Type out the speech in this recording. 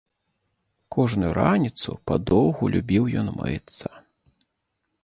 Кожную раніцу падоўгу любіў ён мыцца.